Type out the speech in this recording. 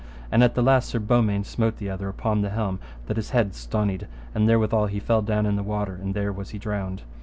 And at the last Sir Beaumains smote the other upon the helm that his head stonied, and therewithal he fell down in the water, and there was he drowned.